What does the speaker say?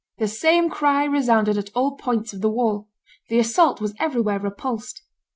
The same cry resounded at all points of the wall; the assault was everywhere repulsed.